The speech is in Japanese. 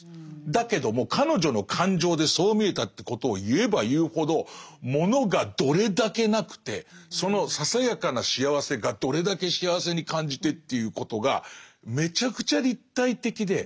だけども彼女の感情でそう見えたってことを言えば言うほど物がどれだけなくてそのささやかな幸せがどれだけ幸せに感じてっていうことがめちゃくちゃ立体的で。